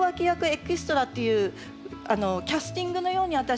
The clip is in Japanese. エキストラっていうキャスティングのように私。